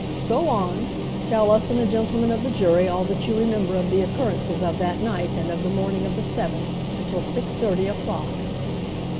"Go on, tell us and the gentlemen of the jury all that you remember of the occurrences of that night and of the morning of the seventh until six thirty o'clock."